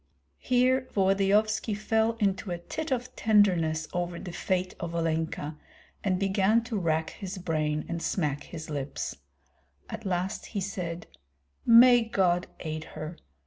Here Volodyovski fell into a fit of tenderness over the fate of Olenka, and began to rack his brain and smack his lips. At last he said, "May God aid her!